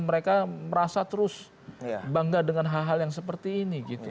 mereka merasa terus bangga dengan hal hal yang seperti ini